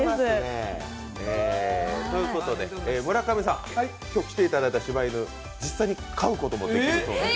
村上さん、今日来ていただいたしば犬実際に飼うこともできるそうです。